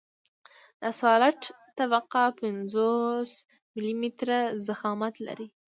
د اسفالټ طبقه پنځوس ملي متره ضخامت لري